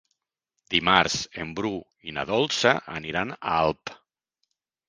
Dimarts en Bru i na Dolça aniran a Alp.